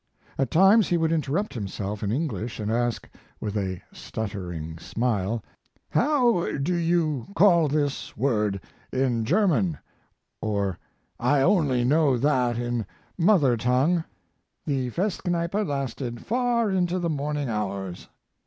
At times he would interrupt himself in English and ask, with a stuttering smile, "How do you call this word in German" or "I only know that in mother tongue." The Festkneipe lasted far into the morning hours.